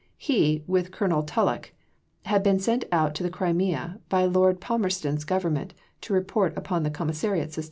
He, with Colonel Tulloch, had been sent out to the Crimea by Lord Palmerston's Government to report upon the Commissariat system.